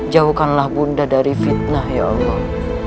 jauhkanlah bunda dari fitnah ya allah